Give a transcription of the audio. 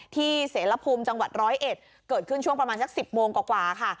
เสรภูมิจังหวัดร้อยเอ็ดเกิดขึ้นช่วงประมาณสัก๑๐โมงกว่าค่ะ